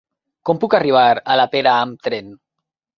Com puc arribar a la Pera amb tren?